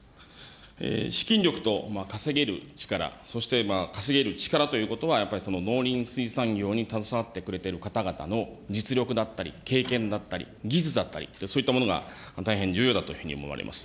資金力と稼げる力、そして稼げる力ということは、やっぱり農林水産業に携わってくれている方々の実力だったり、経験だったり、技術だったり、そういったものが大変重要だというふうに思われます。